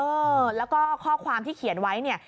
เออแล้วก็ข้อความที่เขียนไว้เนี่ย